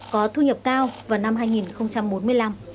có thu nhập cao vào năm hai nghìn bốn mươi năm